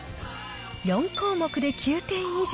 ４項目で９点以上。